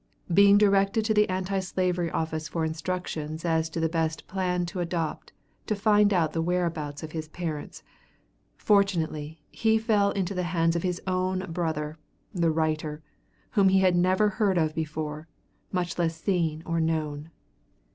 Being directed to the Anti Slavery Office for instructions as to the best plan to adopt to find out the whereabouts of his parents, fortunately he fell into the hands of his own brother, the writer, whom he had never heard of before, much less seen or known.